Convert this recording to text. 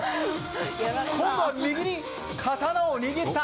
今度は右で刀を握った。